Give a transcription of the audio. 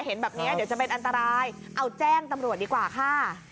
เห็นแบบนี้เดี๋ยวจะเป็นอันตรายเอาแจ้งตำรวจดีกว่าค่ะ